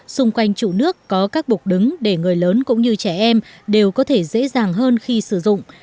xung quanh trụ nước có các bục đứng để người lớn cũng như trẻ em đều có thể dễ dàng hơn khi sử dụng